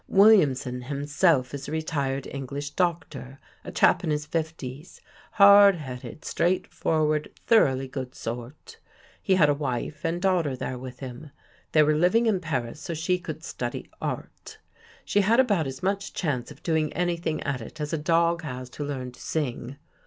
Williamson himself is a retired English doctor' — a chap in his fifties. Hard headed, straightforward, thoroughly good sort. He had a wife and daughter there with him. They were living in Paris so she could study Art. She had about as much chance of doing anything at it as a dog has to learn to sing.